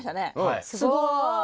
すごい。